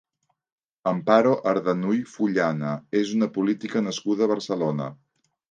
Amparo Ardanuy Fullana és una política nascuda a Barcelona.